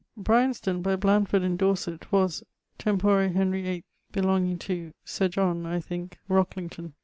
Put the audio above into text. _ Brianston by Blandford in Dorset was, tempore Henr. 8, belonging to (Sir John, I thinke) Rocklington.